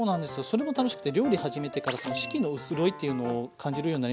それも楽しくて料理始めてから四季のうつろいっていうのを感じるようになりましたね。